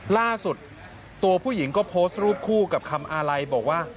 ล่าสุดตัวผู้หญิงก็โพสต์รูปคู่กับคำอาลัยบอกว่า